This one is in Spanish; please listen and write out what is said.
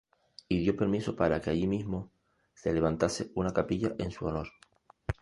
Y dio permiso para que allí mismo se levantase una capilla en su honor.